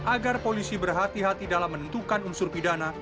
agar polisi berhati hati dalam menentukan unsur pidana